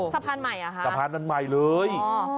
สะพานใหม่เหรอคะสะพานมันใหม่เลย